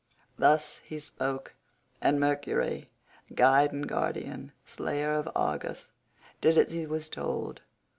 Thus he spoke, and Mercury, guide and guardian, slayer of Argus, did as he was told.